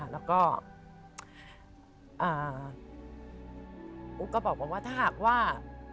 แล้วอู๋ก็บอกผมว่าถ้าหากว่า